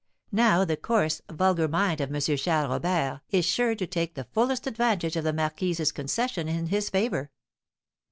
Now the coarse, vulgar mind of M. Charles Robert is sure to take the fullest advantage of the marquise's concession in his favour.